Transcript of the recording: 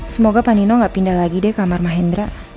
semoga panino gak pindah lagi deh kamar mahendra